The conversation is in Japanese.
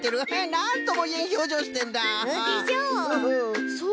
なんともいえんひょうじょうしてるな。